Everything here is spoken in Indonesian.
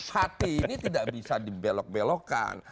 hati ini tidak bisa dibelok belokkan